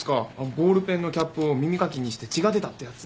ボールペンのキャップを耳かきにして血が出たってやつ。